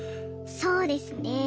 そうですね。